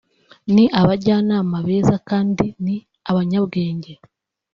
ni abajyanama beza kandi ni abanyabwenge